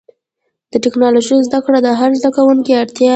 د ټکنالوجۍ زدهکړه د هر زدهکوونکي اړتیا ده.